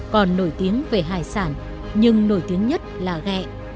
còn nổi tiếng về hải sản nhưng nổi tiếng nhất là gẹ